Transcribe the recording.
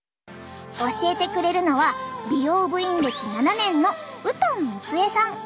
教えてくれるのは美容部員歴７年のウトン光恵さん。